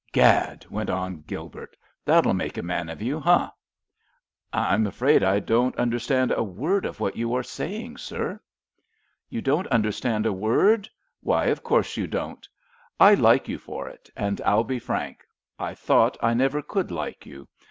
"Gad," went on Gilbert, "that'll make a man of you—eh?" "I'm afraid I don't understand a word of what you are saying, sir!" "You don't understand a word! Why, of course you don't! I like you for it—and I'll be frank, I thought I never could like you.